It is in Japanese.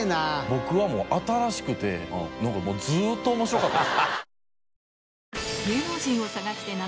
僕はもう新しくて何かもうずっと面白かった。